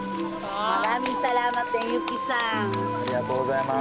ありがとうございます。